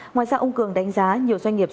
ngoài ra ông cường đánh giá nhiều doanh nghiệp